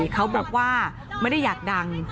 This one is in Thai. เขาบอกว่าไม่ได้อยากดัง